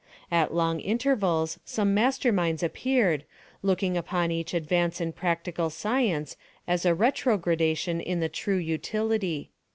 At long intervals some masterminds appeared, looking upon each advance in practical science as a retro gradation in the true utility.